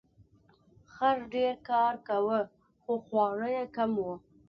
خر ډیر کار کاوه خو خواړه یې کم وو.